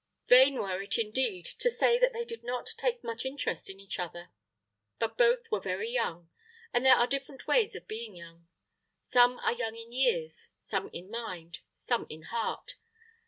Vain were it, indeed, to say that they did not take much interest in each other. But both were very young, and there are different ways of being young. Some are young in years some in mind some in heart.